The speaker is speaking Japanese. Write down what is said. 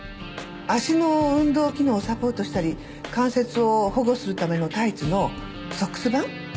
足の運動機能をサポートしたり関節を保護するためのタイツのソックス版？